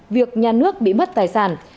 việc nhà nước bị mất tài sản